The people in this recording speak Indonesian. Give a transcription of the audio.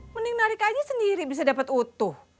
mending narik aja sendiri bisa dapat utuh